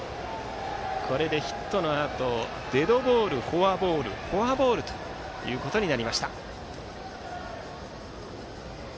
これでヒットのあとデッドボール、フォアボールフォアボールとなりました。